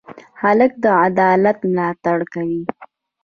هلک د عدالت ملاتړ کوي.